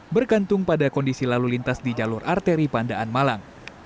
bergantung pada kondisi lalu lintas di jalur arteri pandaan malang